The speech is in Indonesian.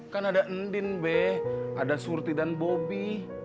kan ada endin beh ada surti dan bobi